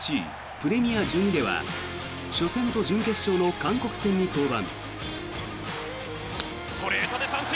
プレミア１２では初戦と準決勝の韓国戦に登板。